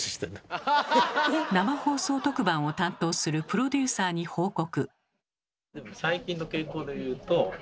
生放送特番を担当するプロデューサーに報告。